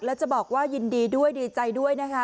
แล้วจะบอกว่ายินดีด้วยดีใจด้วยนะคะ